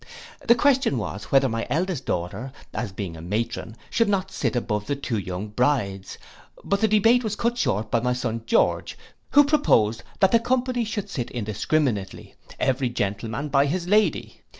The question was whether my eldest daughter, as being a matron, should not sit above the two young brides, but the debate was cut short by my son George, who proposed, that the company should sit indiscriminately, every gentleman by his lady.